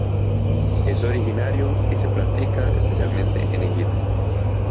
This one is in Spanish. Es originario y se practica especialmente en Egipto.